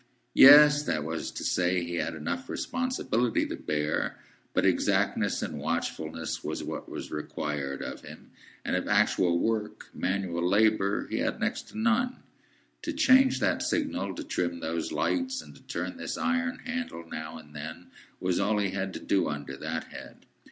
Yes; that was to say, he had enough responsibility to bear; but exactness and watchfulness were what was required of him, and of actual work—manual labour—he had next to none. To change that signal, to trim those lights, and to turn this iron handle now and then, was all he had to do under that head.